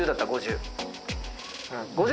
５０。